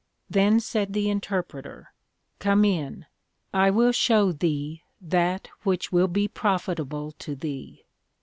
Then said the Interpreter, Come in, I will shew thee that which will be profitable to thee.